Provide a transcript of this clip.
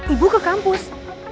ibu ke kampus